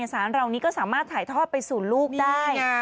สารเหล่านี้ก็สามารถถ่ายทอดไปสู่ลูกได้